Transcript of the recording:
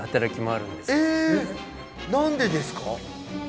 何でですか？